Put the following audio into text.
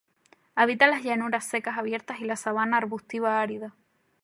Habita las llanuras secas abiertas y la sabana arbustiva árida.